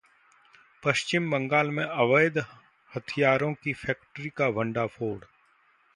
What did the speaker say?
पश्चिम बंगाल में अवैध हथियारों की फैक्ट्री का भंडाफोड़